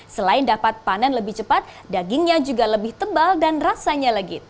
selain dapat panen lebih cepat dagingnya juga lebih tebal dan rasanya legit